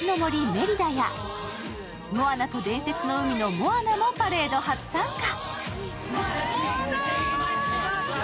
・メリダや「モアナと伝説の海」のモアナもパレード初参加。